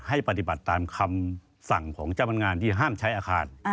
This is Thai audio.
ให้ปฏิบัติตามคำสั่งของเจ้าพนักงานที่ห้ามใช้อาคาร